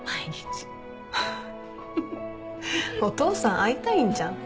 フッお父さん会いたいんじゃん。